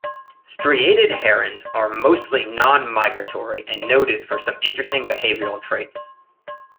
Striated herons are mostly non-migratory and noted for some interesting behavioral traits.